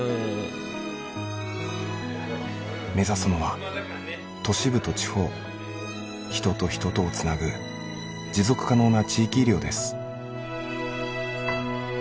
目指すのは都市部と地方人と人とをつなぐ持続可能な地域医療です。